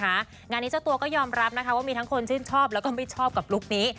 งานนี้เจ้าตัวก็ยอมรับนะคะว่ามีทั้งคนชื่นชอบแล้วก็ไม่ชอบกับลุคนี้